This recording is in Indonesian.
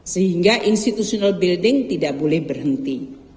sehingga institutional building tidak boleh berhenti